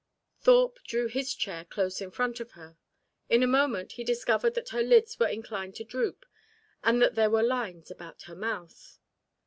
Thorpe drew his chair close in front of her. In a moment he discovered that her lids were inclined to droop, and that there were lines about her mouth.